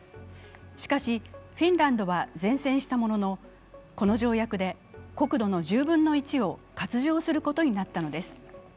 しかし、フィンランドは善戦したものの、この条約で国土の１０分の１を割譲することになったのです。